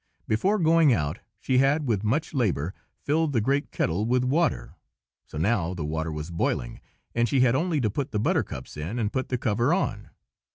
Before going out she had with much labor filled the great kettle with water, so now the water was boiling, and she had only to put the buttercups in and put the cover on.